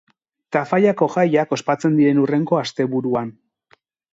Tafallako jaiak ospatzen diren hurrengo asteburuan.